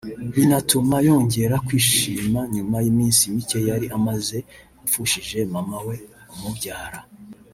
binatuma yongera kwishima nyuma y’iminsi mike yari amaze apfushije Mama we umubyara